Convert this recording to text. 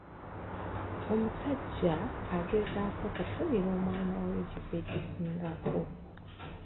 Omusajja agezaako okufunira omwana we ekifo ekisingako.